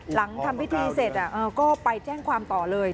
หลังทำพิธีเสร็จก็ไปแจ้งความต่อเลย